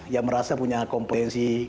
yang merasa punya kompetensi